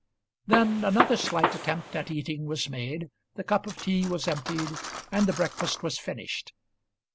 Then another slight attempt at eating was made, the cup of tea was emptied, and the breakfast was finished.